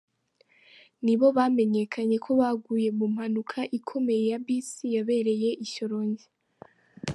nibo bamenyekanye ko baguye mu mpanuka ikomeye ya bisi yabereye i Shyorongi .